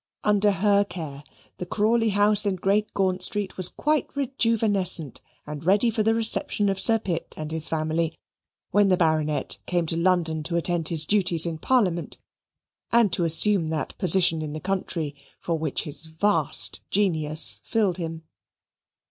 Under her care the Crawley House in Great Gaunt Street was quite rejuvenescent and ready for the reception of Sir Pitt and his family, when the Baronet came to London to attend his duties in Parliament and to assume that position in the country for which his vast genius fitted him.